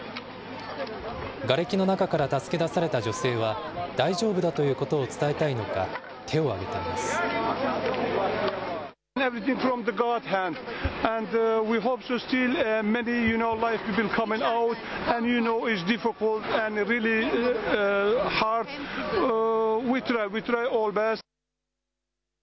がれきの中から助け出された女性は大丈夫だということを伝えたいのか、手をあげています。